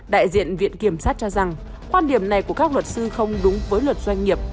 đại diện viện kiểm sát cho rằng quan điểm này của các luật sư không đúng với luật doanh nghiệp